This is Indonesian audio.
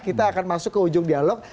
kita akan masuk ke ujung dialog